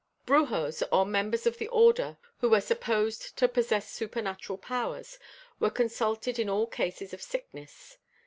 Brujos or members of the order who were supposed to possess supernatural powers were consulted in all cases of sickness.